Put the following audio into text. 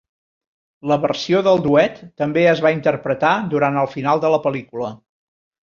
La versió del duet també es va interpretar durant el final de la pel·lícula.